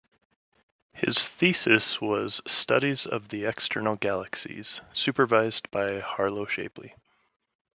His thesis was "Studies of the External Galaxies", supervised by Harlow Shapley.